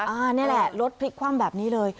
อันนี้แหละรถพลิกคว่ำแบบนี้เลย